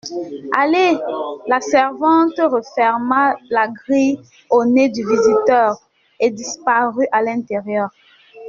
Allez ! La servante referma la grille au nez du visiteur et disparut à l'intérieur.